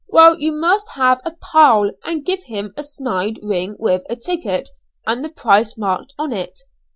Well, you must have a 'pal,' and give him a 'snyde' ring with a ticket and the price marked on it.